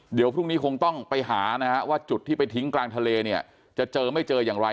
เดี๋ยวพรุ่งนี้คงต้องไปหานะฮะว่าจุดที่ไปทิ้งกลางทะเลเนี่ยจะเจอไม่เจออย่างไร